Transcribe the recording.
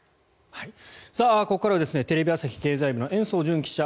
ここからはテレビ朝日経済部の延増惇記者